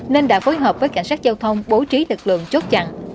nên đã phối hợp với cảnh sát giao thông bố trí lực lượng chốt chặn